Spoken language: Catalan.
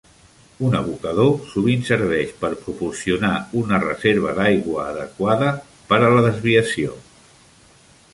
Un abocador sovint serveix per proporcionar una reserva d'aigua adequada per a la desviació.